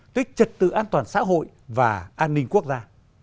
tới trật tự an toàn xã hội và an ninh quốc gia